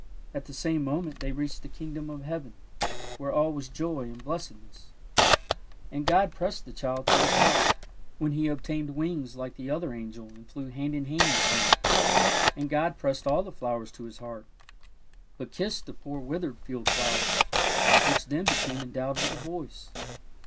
At the same moment they reached the kingdom of heaven, w^here all was joy and blessedness. And God pressed the child to His hearty THE TRANSPLANTED FLOWER 115 when he obtained wings like the other angel and flew hand in hand with him; and God pressed all the flowers to His heart, but kissed the poor withered field flower, which then be came endowed with a voice.